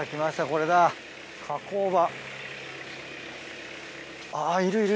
これだ加工場。